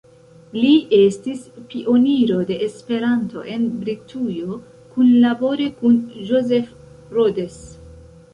Li estis pioniro de Esperanto en Britujo, kunlabore kun Joseph Rhodes.